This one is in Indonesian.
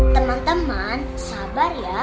teman teman sabar ya